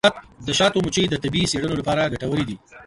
د شاتو مچۍ د طبي څیړنو لپاره ګټورې دي.